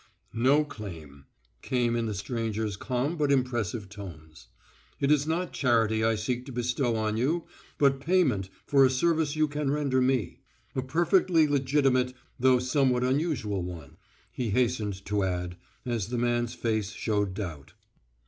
"No claim," came in the stranger's calm but impressive tones. "It is not charity I seek to bestow on you, but payment for a service you can render me. A perfectly legitimate, though somewhat unusual one," he hastened to add, as the man's face showed doubt.